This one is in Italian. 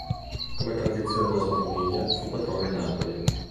Come tradizione della sua famiglia, fu patrono di Napoli.